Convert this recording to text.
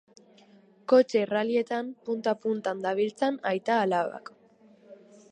Kotxe rallyetan punta-puntan dabiltzan aita-alabak.